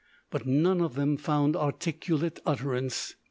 But none of them found articulate utterance.